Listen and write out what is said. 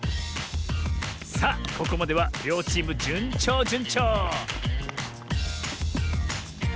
さあここまではりょうチームじゅんちょうじゅんちょう！